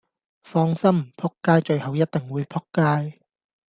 放心！仆街最後一定會仆街